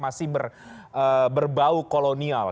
masih berbau kolonial